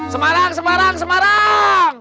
semarang semarang semarang